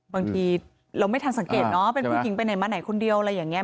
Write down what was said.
บางทีเราไม่ทันสังเกตเนาะเป็นผู้หญิงไปไหนมาไหนคนเดียวอะไรอย่างนี้